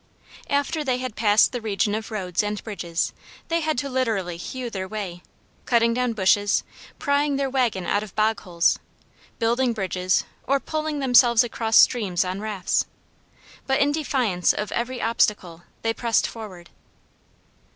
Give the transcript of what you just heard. After they had passed the region of roads and bridges they had to literally hew their way; cutting down bushes, prying their wagon out of bog holes, building bridges or poling themselves across streams on rafts. But, in defiance of every obstacle, they pressed forward.